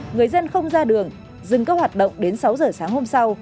người dân không ra đường dừng các hoạt động đến sáu giờ sáng hôm sau